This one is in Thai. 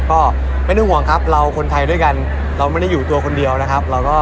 แล้วก็ไม่นึกหวังเราคนไทยด้วยกันเราไม่ได้อยู่ตัวคนเดียวนะครับ